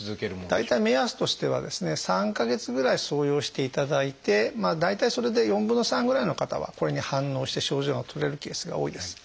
大体目安としてはですね３か月ぐらい装用していただいて大体それで４分の３ぐらいの方はこれに反応して症状が取れるケースが多いです。